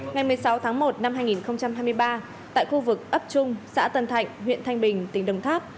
ngày một mươi sáu tháng một năm hai nghìn hai mươi ba tại khu vực ấp trung xã tân thạnh huyện thanh bình tỉnh đồng tháp